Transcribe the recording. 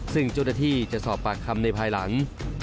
ซึ่งเจ้าหน้าที่จะสอบปากคำในภายหลัง